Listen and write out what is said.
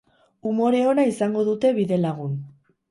Umore ona izango dute bidelagun.